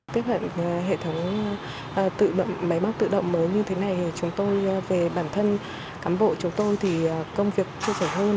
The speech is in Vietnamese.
tiếp hợp hệ thống máy móc tự động mới như thế này thì chúng tôi về bản thân cán bộ chúng tôi thì công việc trôi trở hơn